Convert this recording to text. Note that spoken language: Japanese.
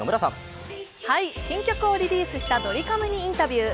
新曲をリリースしたドリカムにインタビュー。